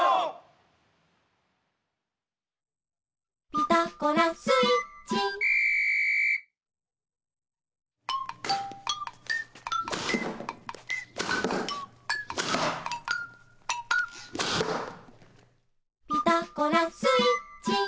「ピタゴラスイッチ」「ピタゴラスイッチ」